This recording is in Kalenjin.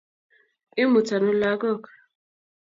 imut ano lakok.